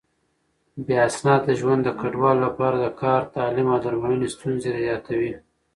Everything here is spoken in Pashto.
بې اسناده ژوند د کډوالو لپاره د کار، تعليم او درملنې ستونزې زياتوي.